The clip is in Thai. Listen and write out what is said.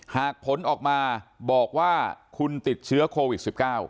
หากผลออกมาบอกว่าคุณติดเชื้อโควิด๑๙